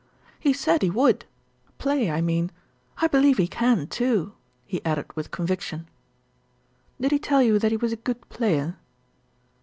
"He said he would play, I mean. I believe he can, too," he added with conviction. "Did he tell you that he was a good player?"